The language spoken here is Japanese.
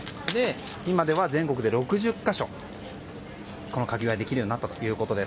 今では全国で６０か所、このカキ小屋ができるようになったんです。